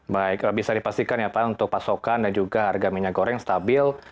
baik bisa dipastikan ya pak untuk pasokan dan juga harga minyak goreng stabil